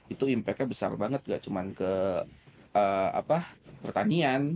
itu impactnya besar banget gak cuman ke apa pertanian